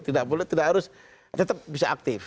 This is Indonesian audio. tidak boleh tidak harus tetap bisa aktif